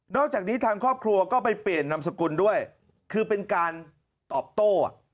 อกจากนี้ทางครอบครัวก็ไปเปลี่ยนนามสกุลด้วยคือเป็นการตอบโต้